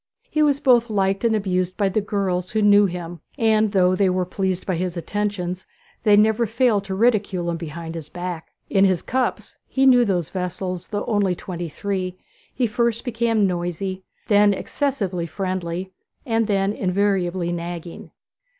He was both liked and abused by the girls who knew him, and though they were pleased by his attentions, they never failed to ridicule him behind his back. In his cups (he knew those vessels, though only twenty three) he first became noisy, then excessively friendly, and then invariably nagging.